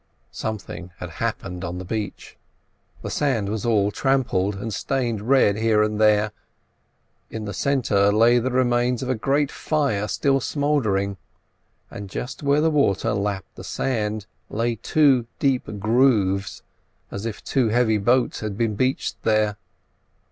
Something had happened on the beach. The sand was all trampled, and stained red here and there; in the centre lay the remains of a great fire still smouldering, and just where the water lapped the sand, lay two deep grooves as if two heavy boats had been beached there.